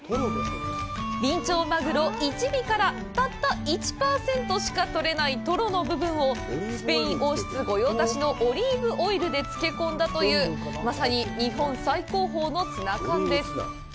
ビンチョウマグロ１尾からたった１％しか取れないトロの部分をスペイン王室御用達のオリーブオイルで漬け込んだという、まさに“日本最高峰のツナ缶”です。